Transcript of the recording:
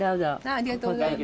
ありがとうございます。